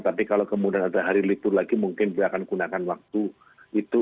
tapi kalau kemudian ada hari libur lagi mungkin dia akan gunakan waktu itu